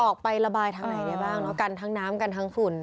ออกไประบายทางไหนได้บ้างเนอะกันทั้งน้ำกันทั้งฝุ่น